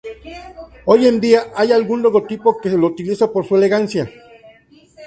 Hoy en día, hay algún logotipo que lo utiliza por su elegancia.